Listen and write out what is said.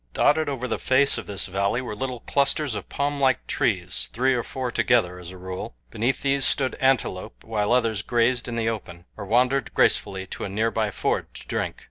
Dotted over the face of the valley were little clusters of palmlike trees three or four together as a rule. Beneath these stood antelope, while others grazed in the open, or wandered gracefully to a nearby ford to drink.